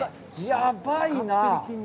やばいなあ。